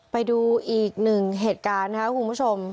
ไปดูอีกหนึ่งเหตุการณ์นะครับคุณผู้ชม